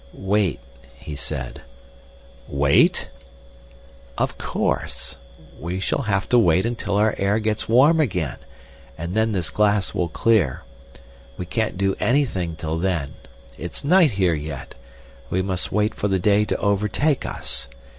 "Wait," he said. "Wait?" "Of course. We shall have to wait until our air gets warm again, and then this glass will clear. We can't do anything till then. It's night here yet; we must wait for the day to overtake us.